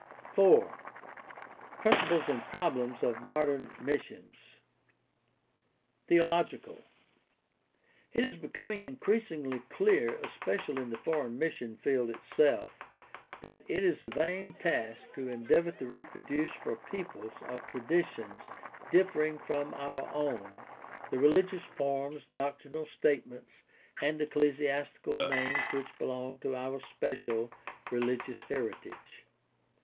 4. PRINCIPLES AND PROBLEMS OF MODERN MISSIONS Theological. — It is becoming increasingly clear, especially in the foreign mission field itself, that it is a vain task to endeavor to reproduce for peoples of traditions differing from our own the religious forms, doctrinal statements, and ecclesiastical names which belong to our special religious heritage.